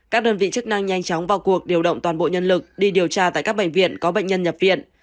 các đơn vị chức năng nhanh chóng vào cuộc điều động toàn bộ nhân lực đi điều tra tại các bệnh viện có bệnh nhân nhập viện